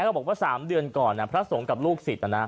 เขาบอกว่า๓เดือนก่อนพระสงฆ์กับลูกศิษย์